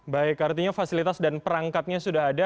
baik artinya fasilitas dan perangkatnya sudah ada